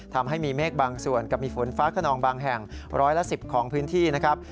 ทำให้มีเมฆบางส่วนกับมีฝนฟ้าขนองบางแห่งร้อยละ๑๐ของพื้นที่นะครับ